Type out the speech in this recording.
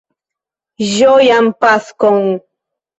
Ĝojan Paskon!